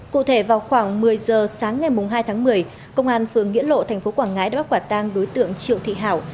cụ thể vào khoảng một mươi giờ sáng ngày hai tháng một mươi công an phường nghĩa lộ tp quảng ngãi đã bắt quả tang đối tượng triệu thị hảo